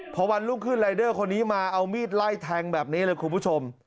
พอวันรุ่งขึ้นรายเดอร์คนนี้มาเอามีดไล่แทงแบบนี้เลยคุณผู้ชม